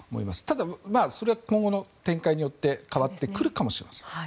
ただ、それは今後の展開によって変わってくるかもしれません。